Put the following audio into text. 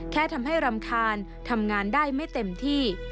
แค่ทำให้รำคาญทำงานได้ไม่เต็มที่